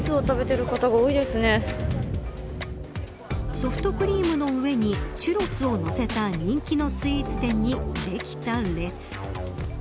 ソフトクリームの上にチュロスをのせた人気のスイーツ店にできた列。